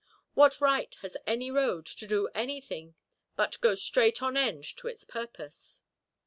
What right has any road to do anything but go straight on end to its purpose?